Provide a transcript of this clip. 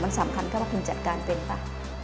มันสำคัญแค่ว่าคุณจัดการเป็นป่ะ